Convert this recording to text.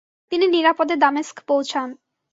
তিনি নিরাপদে দামেস্ক পৌঁছান।